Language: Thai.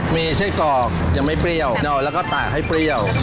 มีไส้กรอกยังไม่เปรี้ยวแล้วก็ตากให้เปรี้ยว